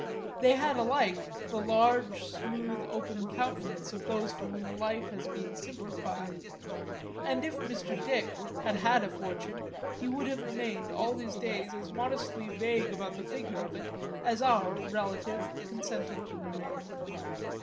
They had alike the large smooth open countenance of those for whom life has been simplified, and if Mr. Dick had had a fortune he would have remained all his days as modestly vague about the figure of it as our relative consented to remain.